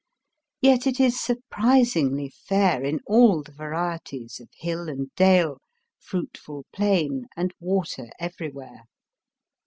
Yet it is ♦surprisingly fair in all the varieties of hill and dale, fruitful plain, and water everywhere.